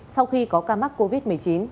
sau khi có ca mắc covid một mươi chín